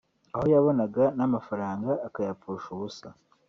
aho yabonaga n’amafaranga akayapfusha ubusa